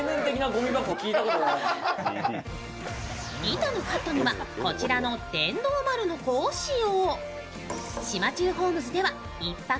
板のカットには、こちらの電動丸のこを使用。